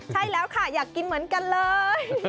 ใช่แล้วค่ะอยากกินเหมือนกันเลย